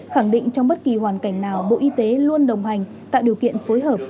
khẳng định trong bất kỳ hoàn cảnh nào bộ y tế luôn đồng hành tạo điều kiện phối hợp